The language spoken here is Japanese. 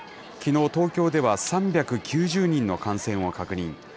きのう、東京では３９０人の感染を確認。